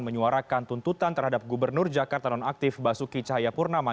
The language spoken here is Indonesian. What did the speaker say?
menyuarakan tuntutan terhadap gubernur jakarta non aktif basuki cahaya purnama